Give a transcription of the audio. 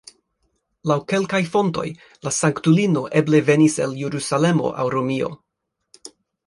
Laŭ kelkaj fontoj, la sanktulino eble venis el Jerusalemo aŭ Romio.